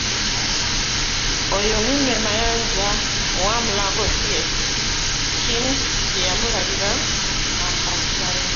Eyo Henry Mayanja owa Mulago Theatre Kings gye yamulabira n’amupasulayo.